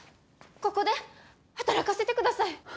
ここで働かせてください！